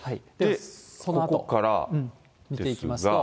ここからですが。